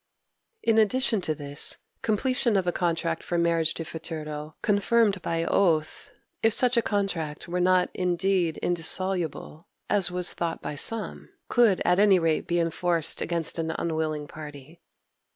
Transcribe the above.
In addition to this, completion of a contract for marriage de futuro confirmed by oath, if such a contract were not indeed indissoluble, as was thought by some, could at any rate be enforced against an unwilling party.